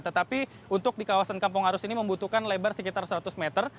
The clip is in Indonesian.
tetapi untuk di kawasan kampung arus ini membutuhkan lebar sekitar seratus meter